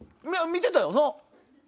見てたよな？